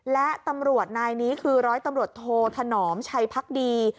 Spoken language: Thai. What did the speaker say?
และตำรวจนายนี้คือร้อยตำรวจโทถนอมชัยพักดี